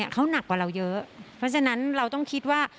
เขาหนักกว่าเราเยอะเพราะฉะนั้นเราต้องคิดว่า